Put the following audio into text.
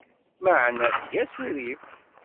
Meεna tga asurif.